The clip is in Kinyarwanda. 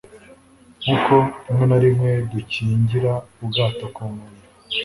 Nkuko rimwe na rimwe dukingira ubwato ku nkombe